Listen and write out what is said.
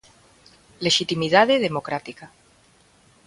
Lexitimidade democrática.